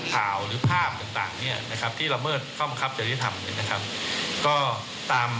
ข่าวหรือภาพต่างที่ละเมิดค่อมคับเจริธรรม